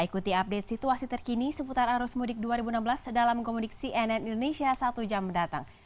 ikuti update situasi terkini seputar arus mudik dua ribu enam belas dalam komunik cnn indonesia satu jam mendatang